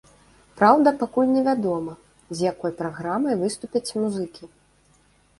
Праўда, пакуль не вядома, з якой праграмай выступяць музыкі.